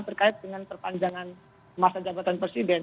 terkait dengan perpanjangan masa jabatan presiden